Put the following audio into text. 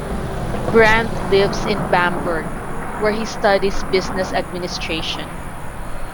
Brand lives in Bamberg, where he studies business administration.